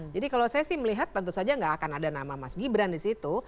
jadi kalau saya sih melihat tentu saja gak akan ada nama mas gibran disitu